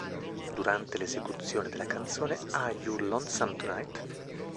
Durante l'esecuzione della canzone "Are You Lonesome Tonight?